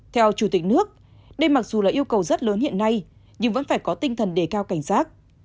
theo chủ tịch nước đây mặc dù là yêu cầu rất lớn hiện nay nhưng vẫn phải có tinh thần đề cao cảnh giác